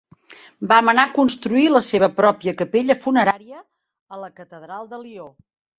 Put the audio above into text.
Va manar construir la seva pròpia capella funerària a la catedral de Lió.